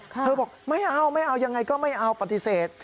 เธอบอกไม่เอาไม่เอายังไงก็ไม่เอาปฏิเสธ